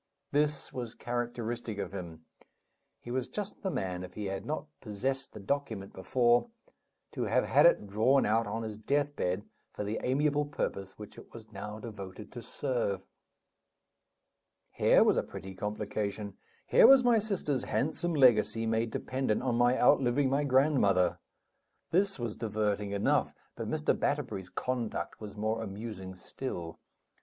This was characteristic of him; he was just the man, if he had not possessed the document before, to have had it drawn out on his death bed for the amiable purpose which it was now devoted to serve. Here was a pretty complication! Here was my sister's handsome legacy made dependent on my outliving my grandmother! This was diverting enough; but Mr. Batterbury's conduct was more amusing still.